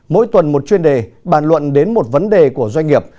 mỗi tuần một chuyên đề bàn luận đến một vấn đề của doanh nghiệp